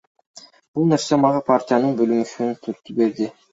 Бул нерсе мага партиянын бөлүнбөшүнө түрткү берди.